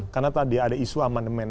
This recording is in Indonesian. karena tadi ada isu amandemen